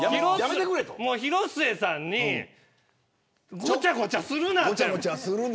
広末さんにごちゃごちゃするな。